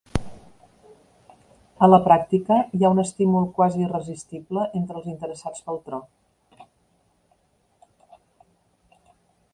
A la pràctica, hi ha un estímul quasi irresistible entre els interessats pel tro.